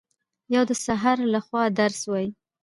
یو د سحر لخوا درس وايي